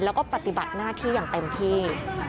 แล้วก็ปฏิบัติหน้าที่อย่างเต็มที่